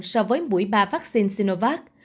so với mũi ba vaccine sinovac